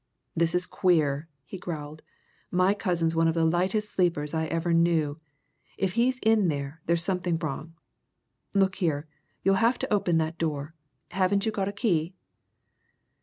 "This is queer!" he growled. "My cousin's one of the lightest sleepers I ever knew. If he's in there, there's something wrong. Look here! you'll have to open that door. Haven't you got a key?"